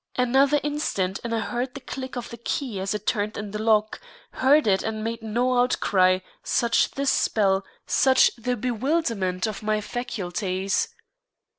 Another instant and I heard the click of the key as it turned in the lock, heard it and made no outcry, such the spell, such the bewilderment of my faculties!